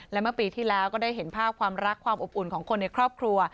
และเมื่อปีที่แล้วก็ได้เห็นภาพความรักความอบอุ่นของคนในครอบครัว